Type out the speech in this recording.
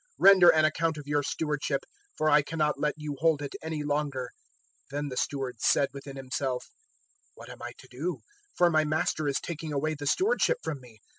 Render an account of your stewardship, for I cannot let you hold it any longer.' 016:003 "Then the steward said within himself, "`What am I to do? For my master is taking away the stewardship from me.